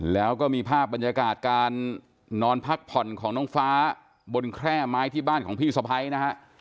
แล้วก็มีภาพบรรยากาศการนอนพักผ่อนของน้องฟ้าบนแคร่ไม้ที่บ้านของพี่สะพ้ายนะฮะ